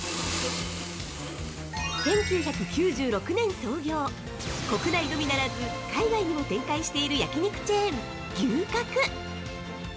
◆１９９６年創業国内のみならず海外にも展開している焼き肉チェーン「牛角」